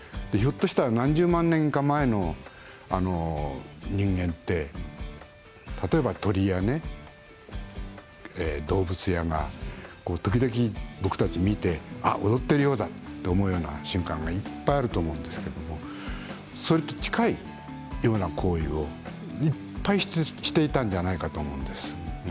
ひょっとしたら何十万年か前の人間って例えば、鳥や動物やら時々、僕たち見てあ、踊っているようだと思うような瞬間がいっぱいあると思うんですけれどもそれと近いというような行為をいっぱいしていたんじゃないかと思うんです。